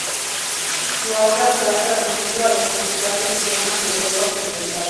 Su obra se ha traducido a los principales idiomas de Europa occidental.